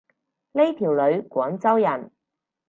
呢條女廣州人